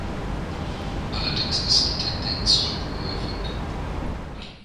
Allerdings ist die Tendenz rückläufig.